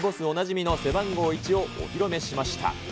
おなじみの背番号１をお披露目しました。